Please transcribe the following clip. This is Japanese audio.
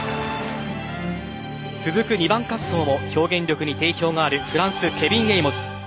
続く２番滑走も表現力に定評があるフランス、ケヴィン・エイモズ。